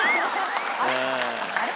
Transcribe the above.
あれ？